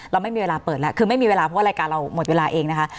เราไม่มีเวลาเปิดแล้วคือไม่มีเวลาเพราะว่ารายการเราหมดเวลาเองนะคะ